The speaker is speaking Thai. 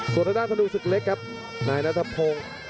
สวดด้านทะนุศึกเล็กครับนายนทะพง